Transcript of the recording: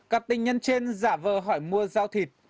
cặp tình nhân trên giả vờ hỏi mua rau thịt